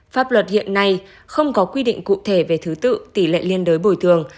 pháp luật hiện nay không có quy định cụ thể về thứ tự tỷ lệ liên đối bồi thường